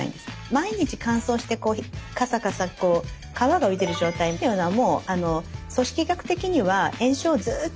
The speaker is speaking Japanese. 毎日乾燥してこうカサカサ皮が浮いてる状態っていうのはもう組織学的には炎症をずっと起こしてる状態なんですね。